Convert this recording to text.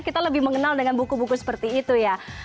kita lebih mengenal dengan buku buku seperti itu ya